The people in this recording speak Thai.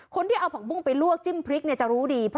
คนที่เอาผักบุ้งไปลวกจิ้มพริกจะรู้ดี